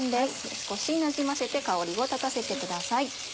少しなじませて香りを立たせてください。